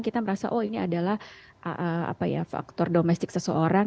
kita merasa oh ini adalah faktor domestik seseorang